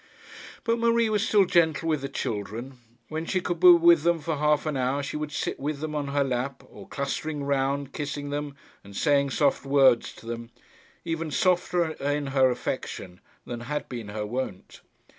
But Marie was still gentle with the children: when she could be with them for half an hour, she would sit with them on her lap, or clustering round, kissing them and saying soft words to them, even softer in her affection than had been her wont.